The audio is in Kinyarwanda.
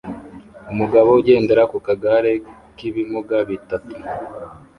Umugabo ugendera ku kagare k'ibimuga bitatu